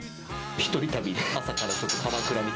一人旅で、朝から鎌倉に。